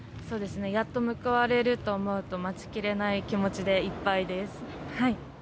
やっと報われると思うと待ちきれない気持ちでいっぱいです。